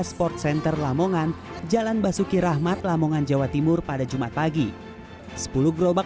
sports center lamongan jalan basuki rahmat lamongan jawa timur pada jumat pagi sepuluh gerobak